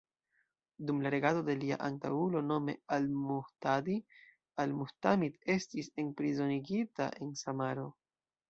Dum la regado de lia antaŭulo, nome al-Muhtadi, al-Mu'tamid estis enprizonigita en Samaro.